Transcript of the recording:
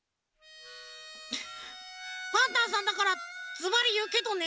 パンタンさんだからずばりいうけどね。